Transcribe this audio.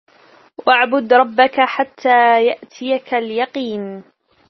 وَاعْبُدْ رَبَّكَ حَتَّى يَأْتِيَكَ الْيَقِينُ